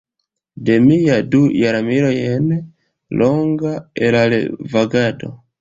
De mia du jarmilojn longa erarvagado.